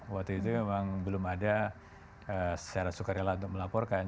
waktu itu memang belum ada secara sukarela untuk melaporkan